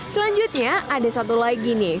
selanjutnya ada satu lagi nih